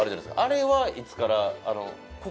あれはいつからある？